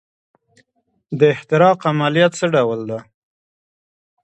د احتراق عملیه څه ډول ده.